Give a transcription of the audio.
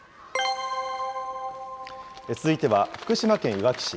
続いては福島県いわき市。